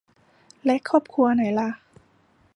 และครอบครัวไหนล่ะ